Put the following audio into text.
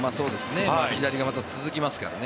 左がまた続きますからね。